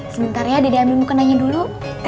sementara ya dede ambilmu ke nanya dulu